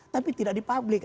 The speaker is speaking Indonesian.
tapi tidak di publik